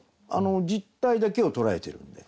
実態だけを捉えてるんで。